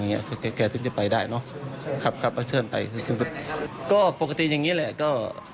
นี้แกจะไปได้เนาะครับครับมาเชิญไปก็ปกติอย่างนี้แหละก็